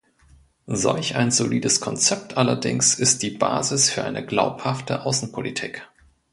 Solch ein solides Konzept allerdings ist die Basis für eine glaubhafte Außenpolitik.